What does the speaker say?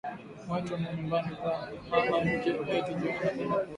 Mwetu mu nyumba paka mama yetu njo ana penda ku rima